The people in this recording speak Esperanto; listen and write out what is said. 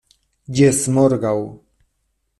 Ĝis morgaŭ.